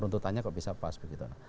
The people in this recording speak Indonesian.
tuntutannya kok bisa pas begitu